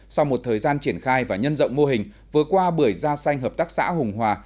sau một thời gian triển khai và nhân rộng mô hình vừa qua bưởi da xanh hợp tác xã hùng hòa